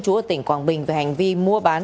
chú ở tỉnh quảng bình về hành vi mua bán